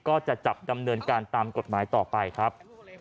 ก็จะจับดำเนินการตามกฎหมายต่อไปครับ